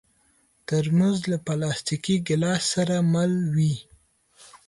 ترموز له پلاستيکي ګیلاس سره مل وي.